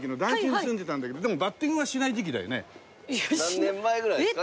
何年前ぐらいですか？